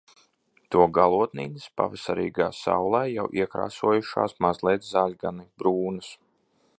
To galotnītes pavasarīgā saulē jau iekrāsojušās mazliet zaļgani brūnas.